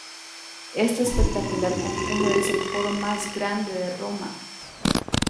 Este espectacular complejo es el Foro más grande de Roma.